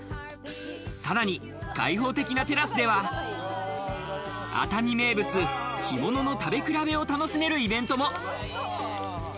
さらに開放的なテラスでは、熱海名物、ひものの食べ比べを楽しめるイベントも。